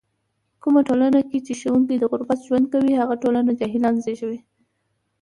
کومه ټولنه کې چې ښوونکی د غربت ژوند کوي، هغه ټولنه جاهلان زږوي.